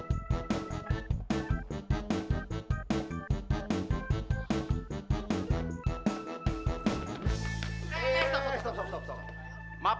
bapak juga pakai seragam